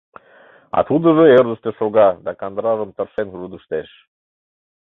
А тудыжо ӧрдыжтӧ шога да кандыражым тыршен рудыштеш.